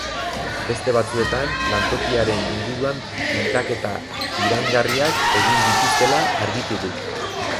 Beste batzuetan lantokiaren inguruan pintaketa iraingarriak egin dituztela argitu du.